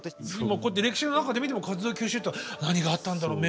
今こうやって歴史の中で見ても活動休止って何があったんだろう